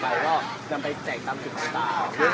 เพิ่มดวกเป็นหนุ่มอยู่ประวัติศาสตร์อย่างหนึ่งในประกวดการ